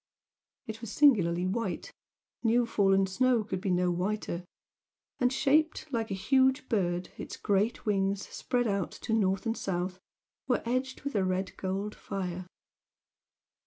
It was singularly white, new fallen snow could be no whiter, and, shaped like a huge bird, its great wings spread out to north and south were edged with a red gold fire.